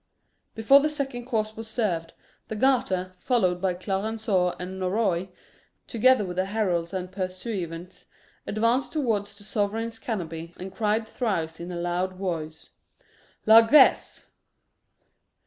Before the second course was served, the Garter, followed by Clarenceux and Norroy, together with the heralds and pursuivants, advanced towards the sovereign's canopy, and cried thrice in a loud voice, "Largesse!"